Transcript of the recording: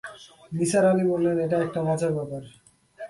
নিসার আলি বললেন, এটা একটা মজার ব্যাপার!